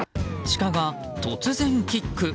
シカが突然キック。